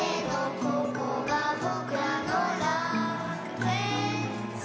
「ここがぼくらの楽園さ」